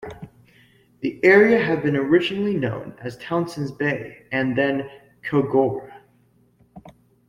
The area had been originally known as Townson's Bay and then Koggorah.